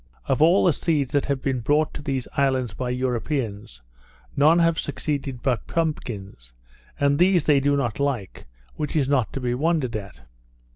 Of all the seeds that have been brought to those islands by Europeans, none have succeeded but pumpkins; and these they do not like, which is not to be wondered at.